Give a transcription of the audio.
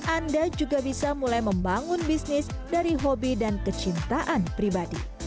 anda juga bisa mulai membangun bisnis dari hobi dan kecintaan pribadi